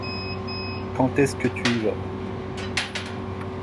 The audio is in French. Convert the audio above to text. Quand est-ce que tu y vas ?